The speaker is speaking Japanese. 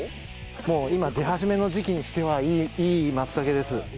もう今出始めの時期にしてはいい松茸です。